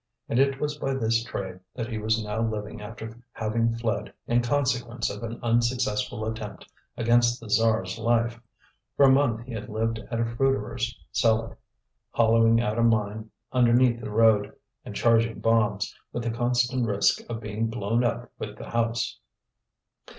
And it was by this trade that he was now living after having fled, in consequence of an unsuccessful attempt against the tsar's life: for a month he had lived in a fruiterer's cellar, hollowing out a mine underneath the road, and charging bombs, with the constant risk of being blown up with the house.